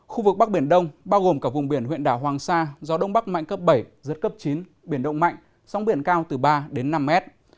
khu vực bắc biển đông bao gồm cả vùng biển huyện đảo hoàng sa gió đông bắc mạnh cấp bảy giật cấp chín biển động mạnh sóng biển cao từ ba đến năm mét